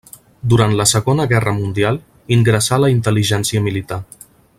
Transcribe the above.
Durant la Segona Guerra Mundial ingressà a la intel·ligència militar.